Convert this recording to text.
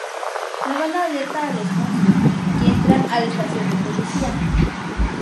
La bala alerta a los monstruos, que entran a la estación de policía.